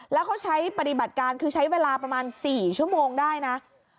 แล้วเขาใช้ปฏิบัติการคือใช้เวลาประมาณ๔ชั่วโมงได้นะ